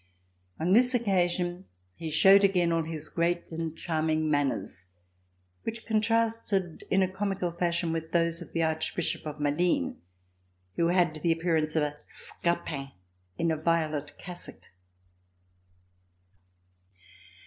On th is occasion he showed again all his great and charming manners, which contrasted in a comical fash ion with those of the Archbishop of Malines who had the appearance of a Scapin in a violet cassock.